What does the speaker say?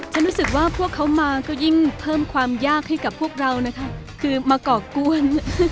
ฉันรู้สึกว่าพวกเขามาก็ยิ่งเพิ่มความยากให้กับพวกเรานะคะคือมาก่อกวน